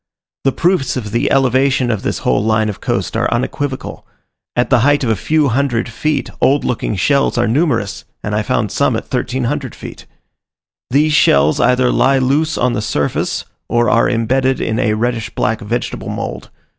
The proofs of the elevation of this whole line of coast are unequivocal: at the height of a few hundred feet old looking shells are numerous, and I found some at 1300 feet. These shells either lie loose on the surface, or are embedded in a reddish black vegetable mould.